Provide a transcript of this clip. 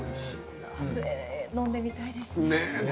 飲んでみたいですね。